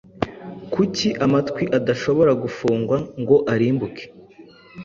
Kuki Amatwi adashobora gufungwa ngo arimbuke?